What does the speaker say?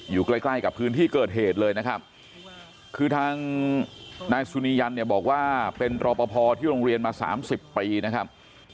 อยู่ใกล้ใกล้กับพื้นที่เกิดเหตุเลยนะครับคือทางนายสุนียันเนี่ยบอกว่าเป็นรอปภที่โรงเรียนมา๓๐ปีนะครับ